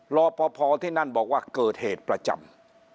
รอปภที่นั่นบอกว่าเกิดเหตุประจำ